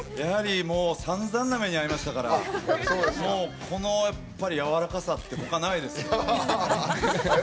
さんざんな目に遭いましたからこのやらわかさって他にないですよ。